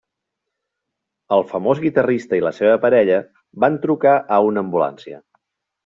El famós guitarrista i la seva parella van trucar a una ambulància.